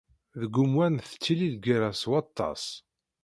Deg umwan tettili lgerra s waṭas.